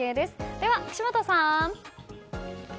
では、岸本さん。